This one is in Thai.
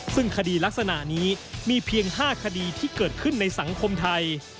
ซึ่งคดีลักษณะนี้มีเพียง๕คดีที่เกิดขึ้นในสังคมไทย